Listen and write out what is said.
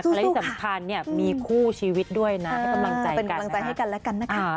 อะไรที่สำคัญมีคู่ชีวิตด้วยนะให้กำลังใจกันนะคะ